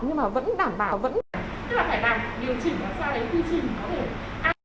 nhưng mà vẫn đảm bảo vẫn phải làm điều chỉnh